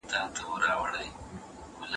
که دولت واکمني ولري کورنۍ چاري به سمي سي.